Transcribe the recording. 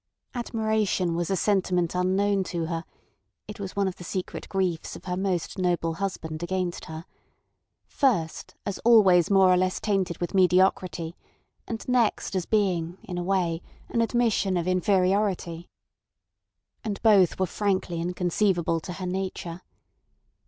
Admiration was a sentiment unknown to her (it was one of the secret griefs of her most noble husband against her)—first, as always more or less tainted with mediocrity, and next as being in a way an admission of inferiority. And both were frankly inconceivable to her nature.